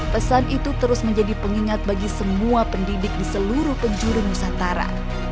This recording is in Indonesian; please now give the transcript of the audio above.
pesan itu terus menjadi pengingat bagi semua pendidik di seluruh penjuru nusantara